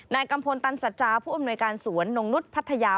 นายกัมพนธ์ตัณฑ์สัตยาผู้อำนวยการสวนนงนุษย์พัทยา